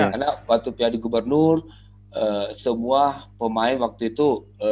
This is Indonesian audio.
karena waktu piala gubernur semua pemain waktu itu